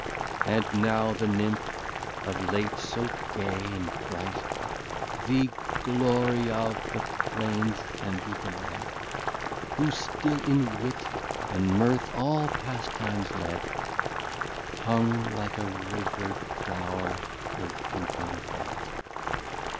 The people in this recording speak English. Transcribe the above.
And now the Nymph (of late so gay and bright, The Glory of the Plains and the Delight, Who still in Wit and Mirth all Pastimes led) Hung like a wither'd Flow'r her drooping Head.